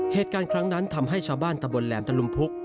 เหตุการณ์ครั้งนั้นทำให้ชาวบ้านตะบนแหลมตะลุมพุก